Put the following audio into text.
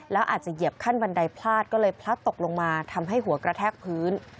แล้วอาจจะเหยียบขั้นบันไดพลาดก็เลยพลัดตกลงมาทำให้หัวกระแทกพื้น